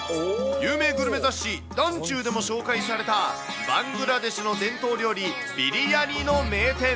有名グルメ雑誌、ダンチューでも紹介されたバングラデシュの伝統料理、ビリヤニの名店。